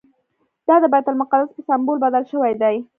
دا د بیت المقدس په سمبول بدل شوی دی.